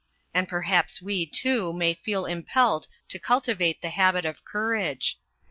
And perhaps we too may feel impelled to cultivate the habit of courage.